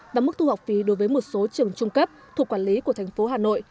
và mức thu học phí đối với một số trường trung cấp thuộc quản lý của thành phố hà nội